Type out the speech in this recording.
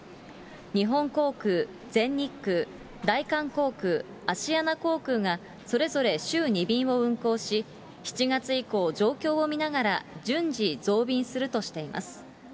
日本航空、全日空、大韓航空、アシアナ航空がそれぞれ週２便を運航し、７月以降、状況を見ながら順次増便するとしています。